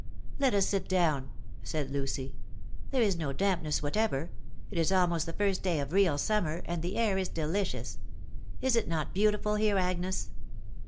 " Let us sit down," said Lucy. " There is no dampness whatever. It is almost the first day of real summer, and the air is delicious. Is it not beautiful here, Agnes